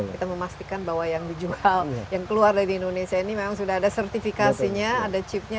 kita memastikan bahwa yang dijual yang keluar dari indonesia ini memang sudah ada sertifikasinya ada chipnya